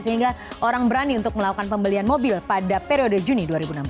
sehingga orang berani untuk melakukan pembelian mobil pada periode juni dua ribu enam belas